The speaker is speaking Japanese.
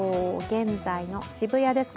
現在の渋谷です。